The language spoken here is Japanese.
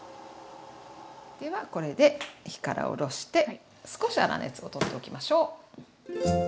ではこれで火から下ろして少し粗熱を取っておきましょう。